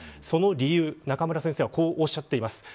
その理由、中村先生はこうおっしゃっています。